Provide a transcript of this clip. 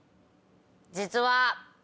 実は。